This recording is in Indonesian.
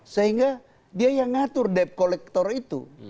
sehingga dia yang ngatur debt collector itu